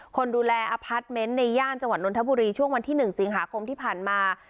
คนดูแลอพาร์ทเมนต์ในย่านจังหวัดนทบุรีช่วงวันที่๑สิงหาคมที่ผ่านมา